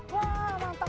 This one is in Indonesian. wah mantap banget ya